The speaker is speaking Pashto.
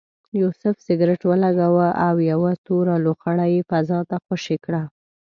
یوسف سګرټ ولګاوه او یوه توره لوخړه یې فضا ته خوشې کړه.